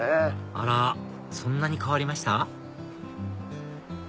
あらそんなに変わりました？